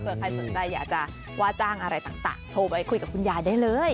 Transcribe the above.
เพื่อใครสนใจอยากจะว่าจ้างอะไรต่างโทรไปคุยกับคุณยายได้เลย